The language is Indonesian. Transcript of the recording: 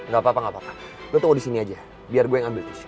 gapapa gapapa lu tunggu disini aja biar gue ambil tisu